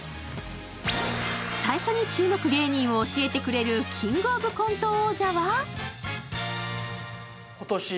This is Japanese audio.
最初に注目芸人を教えてくれる「キングオブコント」王者は？